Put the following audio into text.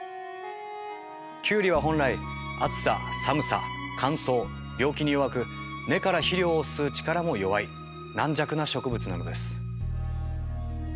キュウリは本来暑さ寒さ乾燥病気に弱く根から肥料を吸う力も弱い軟弱な植物なのです。